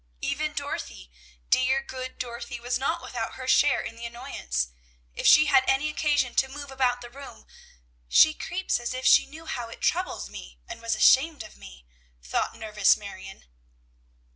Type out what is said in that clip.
Even Dorothy, dear, good Dorothy, was not without her share in the annoyance. If she had any occasion to move about the room, "she creeps as if she knew how it troubles me, and was ashamed of me," thought nervous Marion.